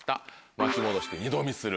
「巻き戻して二度見する」